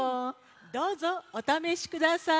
どうぞおためしください。